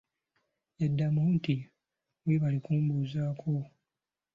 Yaddangamu nti"weebale kumbuuzako"